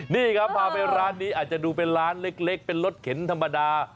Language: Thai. นี่ครับพาไปร้านนี้อาจจะดูเป็นร้านเล็กเป็นรถเข็นธรรมดา